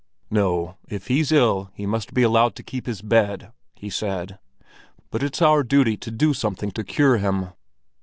"No, if he's ill he must be allowed to keep his bed," he said. "But it's our duty to do something to cure him."